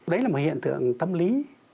đấy là một hiện tượng tâm lý